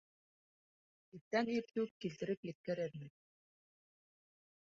— Иртән иртүк килтереп еткерермен.